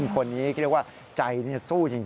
คนนี้คิดว่าใจสู้จริง